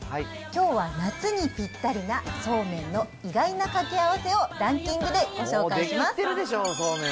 きょうは夏にぴったりな、そうめんの意外なかけあわせをランキングでご紹介します。